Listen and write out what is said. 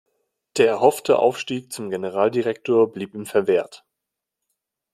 Der erhoffte Aufstieg zum Generaldirektor blieb ihm verwehrt.